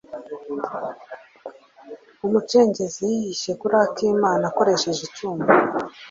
Umucengezi yihishe kuri Akimana akoresheje icyuma.